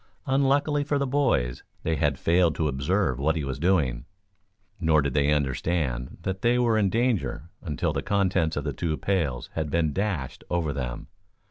Unluckily for the boys, they had failed to observe what he was doing. Nor did they understand that they were in danger until the contents of the two pails had been dashed over them.